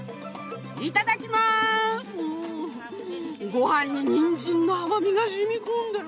ご飯にニンジンの甘みがしみこんでる。